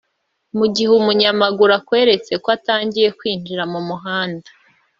Mu gihe umunyamaguru akweretse ko atangiye kwinjira mu muhanda